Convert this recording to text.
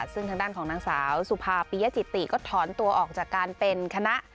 ซึ่งทางด้านของนางสาวสุภาปียจิติก็ถอนตัวออกจากการเป็นคณะ